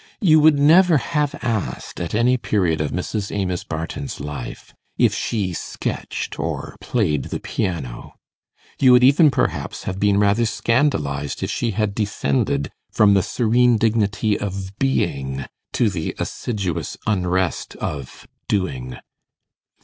You would never have asked, at any period of Mrs. Amos Barton's life, if she sketched or played the piano. You would even perhaps have been rather scandalized if she had descended from the serene dignity of being to the assiduous unrest of doing.